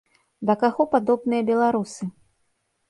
Да каго падобныя беларусы?